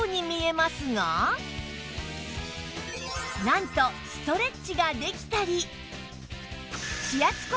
なんとストレッチができたり